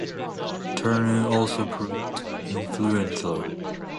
Turner also proved influential.